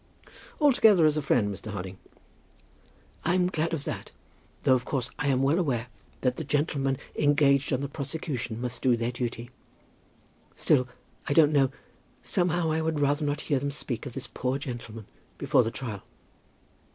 "Altogether as a friend, Mr. Harding." "I'm glad of that; though of course I am well aware that the gentlemen engaged on the prosecution must do their duty. Still, I don't know, somehow I would rather not hear them speak of this poor gentleman before the trial."